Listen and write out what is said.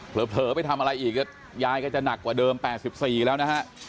เผลอไปทำอะไรอีกยายก็จะหนักกว่าเดิม๘๔แล้วนะฮะ